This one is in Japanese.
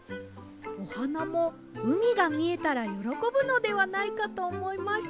おはなもうみがみえたらよろこぶのではないかとおもいまして